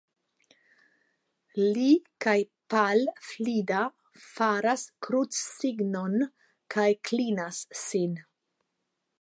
Li kaj Pal Flida faras krucsignon kaj klinas sin.